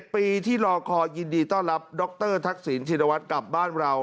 ปีที่รอคอยยินดีต้อนรับดรทักษิณชินวัฒน์กลับบ้านเรา